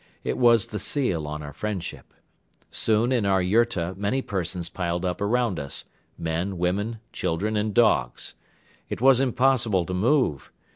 It was the seal on our friendship. Soon in our yurta many persons piled up around us, men, women, children and dogs. It was impossible to move.